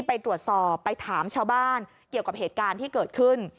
ไปตรวจสอบไปถามชาวบ้านเกี่ยวกับเหตุการณ์ที่เกิดขึ้น